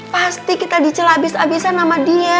pasti kita dicel abis abisan sama dia